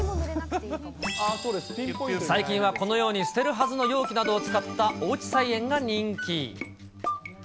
最近はこのように、捨てるはずの容器などを使ったおうち菜園が人気。